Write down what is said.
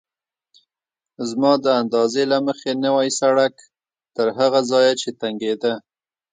زما د اندازې له مخې نوی سړک تر هغه ځایه چې تنګېده.